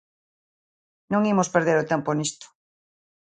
Non imos perder o tempo nisto.